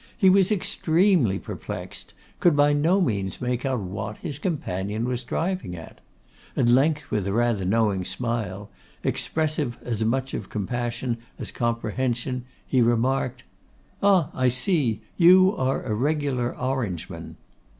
He was extremely perplexed; could by no means make out what his companion was driving at; at length, with a rather knowing smile, expressive as much of compassion as comprehension, he remarked, 'Ah! I see; you are a regular Orangeman.